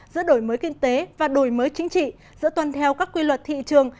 giữa đổi mới kinh tế và đổi mới chính trị giữa toàn theo các quy luật thị trường